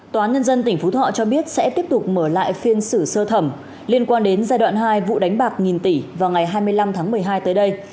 tòa nhân dân tỉnh phú thọ cho biết sẽ tiếp tục mở lại phiên xử sơ thẩm liên quan đến giai đoạn hai vụ đánh bạc nghìn tỷ vào ngày hai mươi năm tháng một mươi hai tới đây